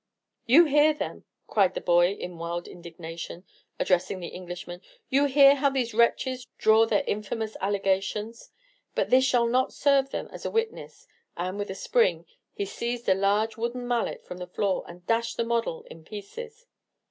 "You hear them!" cried the boy, in wild indignation, addressing the Englishmen; "you hear how these wretches draw their infamous allegations! But this shall not serve them as a witness." And with a spring he seized a large wooden mallet from the floor, and dashed the model in pieces.